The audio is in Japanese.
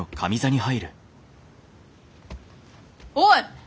おい！